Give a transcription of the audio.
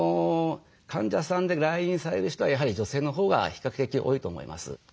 患者さんで来院される人はやはり女性のほうが比較的多いと思います。